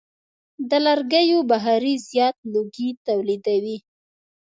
د لرګیو بخاري زیات لوګی تولیدوي.